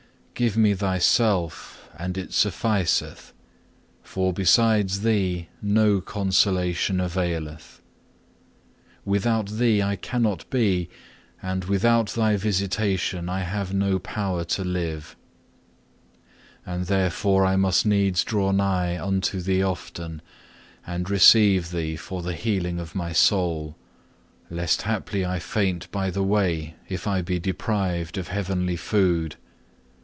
2. Give me Thyself and it sufficeth, for besides Thee no consolation availeth. Without Thee I cannot be, and without Thy visitation I have no power to live. And therefore I must needs draw nigh unto Thee often, and receive Thee for the healing of my soul, lest haply I faint by the way if I be deprived of heavenly food.